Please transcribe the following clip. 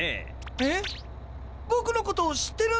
えっボクのことを知ってるんですか？